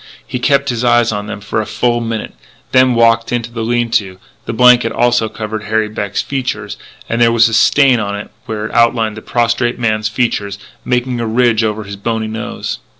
He kept his eyes on them for a full minute, then walked into the lean to. The blanket also covered Harry Beck's features and there was a stain on it where it outlined the prostrate man's features, making a ridge over the bony nose.